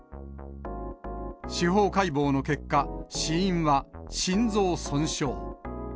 司法解剖の結果、死因は心臓損傷。